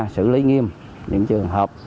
xử lý nghiêm những trường hợp